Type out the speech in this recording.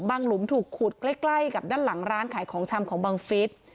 หลุมถูกขุดใกล้กับด้านหลังร้านขายของชำของบังฟิศ